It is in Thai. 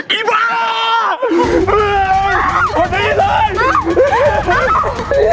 ช่วยช่วยด้วย